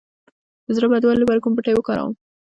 د زړه بدوالي لپاره کوم بوټی وکاروم؟